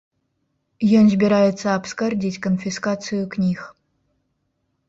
Ён збіраецца абскардзіць канфіскацыю кніг.